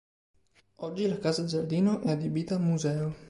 Oggi la casa-giardino è adibita a museo.